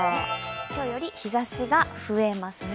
今日より日ざしが増えますね。